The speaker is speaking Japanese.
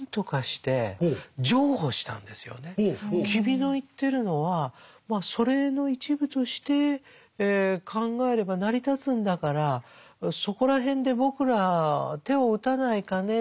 君の言ってるのはまあ祖霊の一部として考えれば成り立つんだからそこら辺で僕ら手を打たないかね。